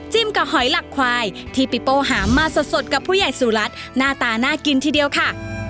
กับหอยหลักควายที่ปิโป้หามาสดกับผู้ใหญ่สุรัตน์หน้าตาน่ากินทีเดียวค่ะ